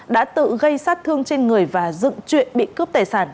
đã tự gây sát thương trên người và dựng chuyện bị cướp tài sản